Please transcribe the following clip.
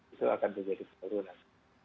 itu akan menjadi penurunan